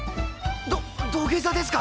ど土下座ですか？